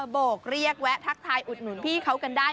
โบกเรียกแวะทักทายอุดหนุนพี่เขากันได้